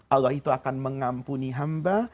allah itu akan mengampuni hamba